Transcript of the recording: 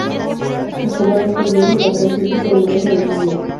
Escobar dejó el diario y pasó a Crítica y Moreno lo siguió.